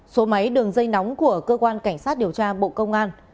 số máy đường dây nóng của cơ quan cảnh sát điều tra bộ công an